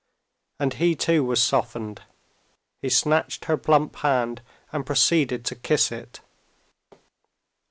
And he too was softened; he snatched her plump hand and proceeded to kiss it.